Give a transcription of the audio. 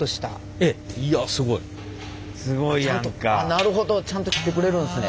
なるほどちゃんと切ってくれるんですね。